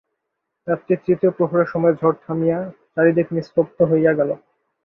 রাত্রি তৃতীয় প্রহরের সময় ঝড় থামিয়া চারি দিক নিস্তব্ধ হইয়া গেল।